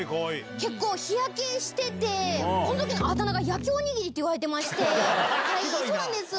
結構日焼けしてて、このときのあだ名が、焼きお握りと言われてまして、はいー、そうなんですよ。